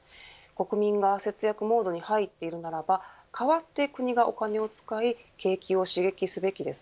国民が節約モードに入っているならば代わって国がお金を使い景気を刺激すべきです。